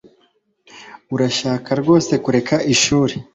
Urashaka rwose kureka ishuri